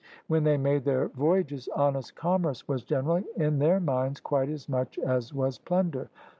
When they made their voyages, honest commerce was generally in their minds quite as much as was plunder.